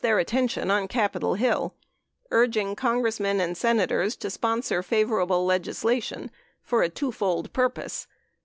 906 their attention on Capitol Hill, urging Congressmen and Senators to sponsor favorable legislation for a two fold purpose.